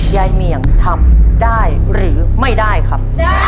เหมียงทำได้หรือไม่ได้ครับ